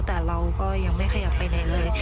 แต่เราก็ยังไม่ขยับไปไหนเลย